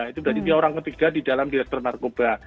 itu berarti dia orang ketiga di dalam direktur narkoba